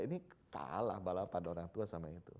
ini kalah balapan orang tua sama itu